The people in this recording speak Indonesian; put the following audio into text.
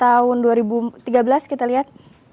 tahun dua ribu tiga belas kita lihat